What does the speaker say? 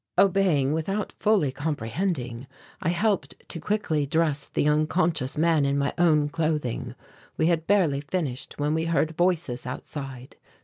Obeying, without fully comprehending, I helped to quickly dress the unconscious man in my own clothing. We had barely finished when we heard voices outside.